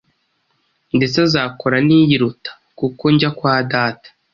ndetse azakora n’iyiruta, kuko njya kwa Data.”